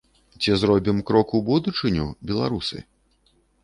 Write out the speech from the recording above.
Ці зробім крок у будучыню, беларусы?